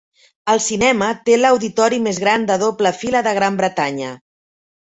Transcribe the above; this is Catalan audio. El cinema té l'auditori més gran de doble fila de Gran Bretanya.